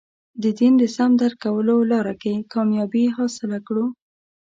د دین د سم درک کولو لاره کې کامیابي حاصله کړو.